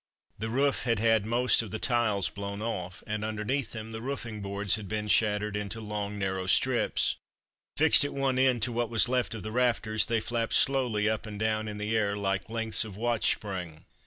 The roof had had most of the tiles blown off, and underneath them the roofing boards had been shattered into long narrow strips. Fixed at one end to what was left of the rafters they flapped slowly up and down in the air like lengths of watch spring.